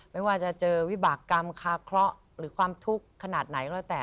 ไม่ว่าจะเจอวิบากรรมคาเคราะห์หรือความทุกข์ขนาดไหนก็แล้วแต่